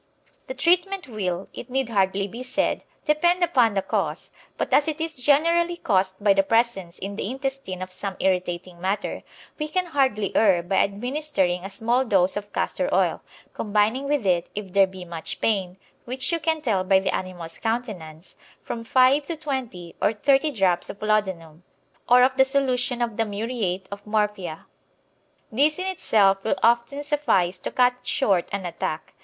The Treatment will, it need hardly be said, depend upon the cause, but as it is generally caused by the presence in the intestine of some irritating matter, we can hardly err by administering a small dose of castor oil, combining with it, if there be much pain which you can tell by the animal's countenance from 5 to 20 or 30 drops of laudanum, or of the solution of the muriate of morphia. This in itself will often suffice to cut short an attack.